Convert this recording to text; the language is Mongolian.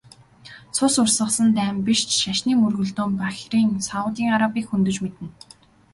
Цус урсгасан дайн биш ч шашны мөргөлдөөн Бахрейн, Саудын Арабыг хөндөж мэднэ.